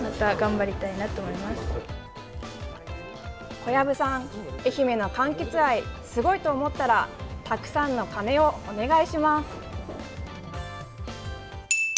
小籔さん、愛媛のかんきつ愛すごいと思ったらたくさんの鐘をお願いします。